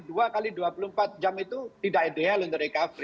dua x dua puluh empat jam itu tidak ideal untuk recovery